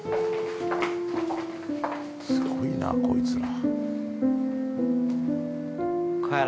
すごいなこいつら。